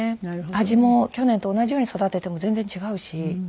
味も去年と同じように育てても全然違うし。